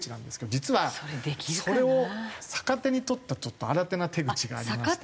実はそれを逆手に取ったちょっと新手な手口がありまして。